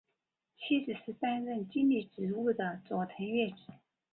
妻子是担任经理职务的佐藤悦子。